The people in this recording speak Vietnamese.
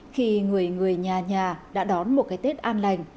khi người người nhà nhà đã đón một cái tết an lành